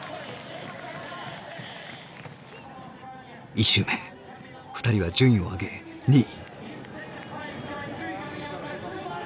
１周目２人は順位を上げ２位。